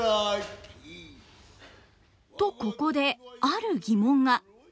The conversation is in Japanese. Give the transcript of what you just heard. とここである疑問が。